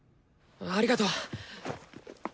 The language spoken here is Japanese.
ありがとう！